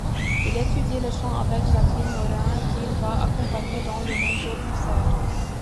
Il étudie le chant avec Jacqueline Morin qu'il va accompagner dans de nombreux concerts.